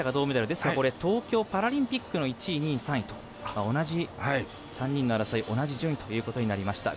ですからこれ東京パラリンピックの１位、２位、３位と同じ３人の争い同じ順位ということになりました。